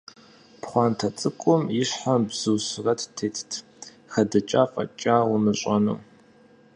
Пхъуантэ цӀыкӀум и щхьэм бзу сурэт тетт, хэдыкӀа фӀэкӀа умыщӀэну.